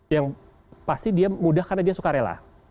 yang pasti dia mudah karena dia suka rela